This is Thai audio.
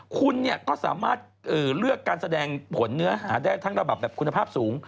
คุณก็สามารถเลือกการแสดงผลเนื้อหาได้ทั้งระดับแบบคุณภาพสูง